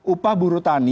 upah buruh tani